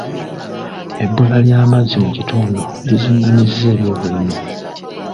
Ebbula ly'amazzi mu kitundu lizingamizza ebyobulimi.